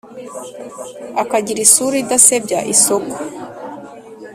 akagira isura idasebya isфoko